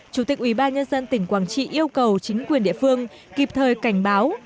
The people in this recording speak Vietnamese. chủ tịch ubnd tỉnh quảng trị yêu cầu chính quyền địa phương kịp thời cảnh báo